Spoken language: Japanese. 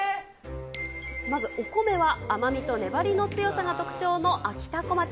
まずお米は甘みと粘りの強さが特徴のあきたこまち。